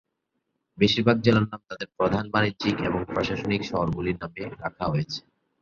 বেশিরভাগ জেলার নাম তাদের প্রধান বাণিজ্যিক এবং প্রশাসনিক শহরগুলির নামে রাখা হয়েছে।